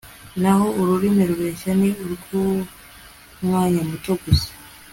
naho ururimi rubeshya ni urw'umwanya muto gusa